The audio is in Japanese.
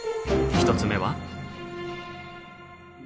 １つ目は。